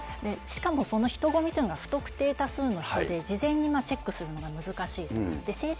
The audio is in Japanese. しかもその人混みというのが不特定多数の人で、事前にチェックするのが難しいと。